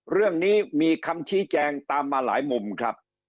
เรื่องนี้มีคำชี้แจงตามมาหลายมุมครับ